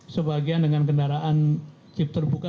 sebagian dengan kendaraan chip terbuka